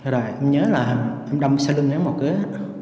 rồi em nhớ là em đâm xe lưng em vào kế